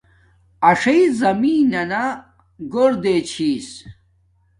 اݽݵ زمین نانا گھور ریس چھس